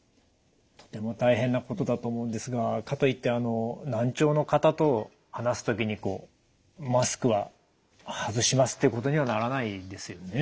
とても大変なことだと思うんですがかといってあの難聴の方と話す時にこうマスクは外しますっていうことにはならないですよね。